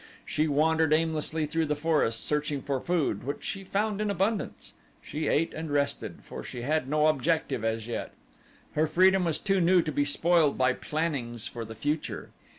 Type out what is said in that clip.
She wandered aimlessly through the forest searching for food which she found in abundance. She ate and rested, for she had no objective as yet. Her freedom was too new to be spoiled by plannings for the future.